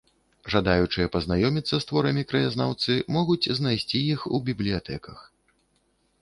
Жадаючыя пазнаёміцца з творамі краязнаўцы могуць знайсці іх у бібліятэках.